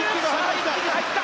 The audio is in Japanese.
一気に入った。